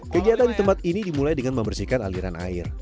kegiatan di tempat ini dimulai dengan membersihkan aliran air